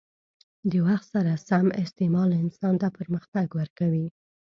د وخت سم استعمال انسان ته پرمختګ ورکوي.